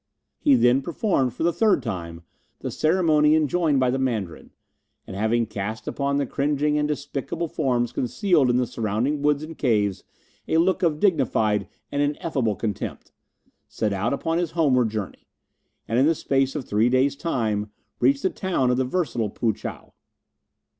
He then performed for the third time the ceremony enjoined by the Mandarin, and having cast upon the cringing and despicable forms concealed in the surrounding woods and caves a look of dignified and ineffable contempt, set out upon his homeward journey, and in the space of three days' time reached the town of the versatile Poo chow.